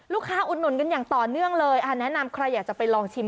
อุดหนุนกันอย่างต่อเนื่องเลยอ่าแนะนำใครอยากจะไปลองชิม